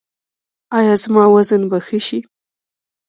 ایا زما وزن به ښه شي؟